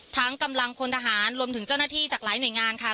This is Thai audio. กำลังพลทหารรวมถึงเจ้าหน้าที่จากหลายหน่วยงานค่ะ